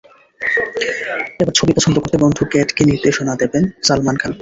এবার ছবি পছন্দ করতে বন্ধু ক্যাটকে নির্দেশনা দেবেন সালমান খান।